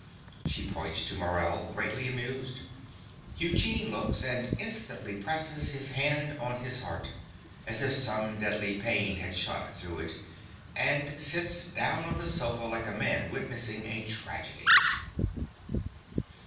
(She points to Morell, greatly amused. Eugene looks, and instantly presses his band on his heart, as if some deadly pain had shot through it, and sits down on the sofa like a man witnessing a tragedy.)